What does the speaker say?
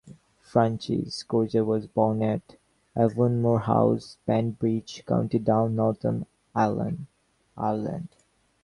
Francis Crozier was born at Avonmore House, Banbridge, County Down, Northern Ireland.